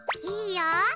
いいよ！